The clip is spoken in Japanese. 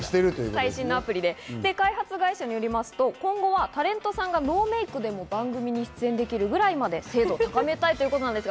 最新のアプリで開発会社によりますと、今後はタレントさんがノーメイクでも番組に出演できるぐらいまで精度を高めたいということです。